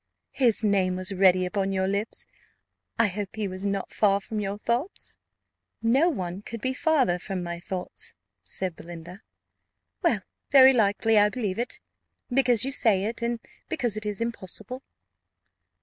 "His name was ready upon your lips; I hope he was not far from your thoughts?" "No one could be farther from my thoughts," said Belinda. "Well, very likely I believe it, because you say it; and because it is impossible."